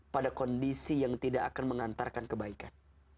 pada kondisi yang tidak akan mengantarkan kebaikan